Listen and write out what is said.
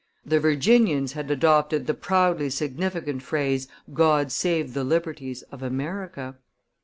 the Virginians had adopted the proudly significant phrase, 'God save the liberties of America!